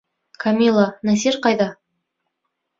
Камила, Насир ҡайҙа?